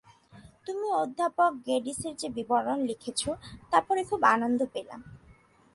তুমি অধ্যাপক গেডিসের যে বিবরণ লিখেছ, তা পড়ে খুব আনন্দ পেলাম।